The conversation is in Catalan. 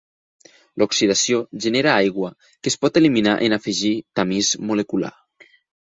L'oxidació genera aigua que es pot eliminar en afegir tamís molecular.